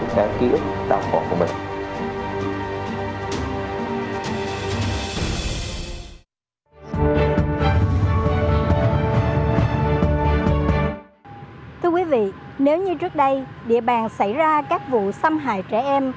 thưa quý vị nếu như trước đây địa bàn xảy ra các vụ xâm hại trẻ em